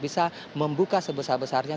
bisa membuka sebesar besarnya